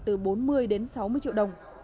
từ bốn mươi đến sáu mươi triệu đồng